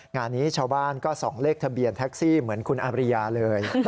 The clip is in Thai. งานนี้ชาวบ้านก็ส่องเลขทะเบียนแท็กซี่เหมือนคุณอาบริยาเลย